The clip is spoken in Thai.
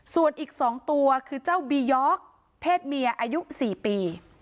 ส่วนอีก๒ตัวคือเจ้าบียอร์กเพศเมียอายุ๔ปี